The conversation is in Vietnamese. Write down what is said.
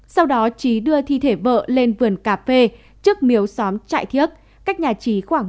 sau đó chí đưa thi thể vợ lên vườn cà phê trước miếu xóm trại thiếc cách nhà chí khoảng một trăm linh m